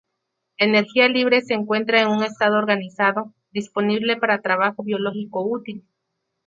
La energía libre se encuentra en un estado organizado, disponible para trabajo biológico útil.